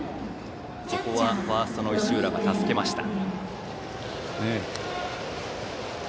ここはファーストの石浦が助けました。